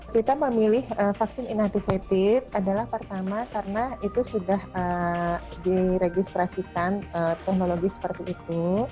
kita memilih vaksin inativated adalah pertama karena itu sudah diregistrasikan teknologi seperti itu